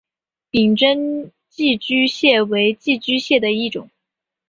柄真寄居蟹为寄居蟹的一种。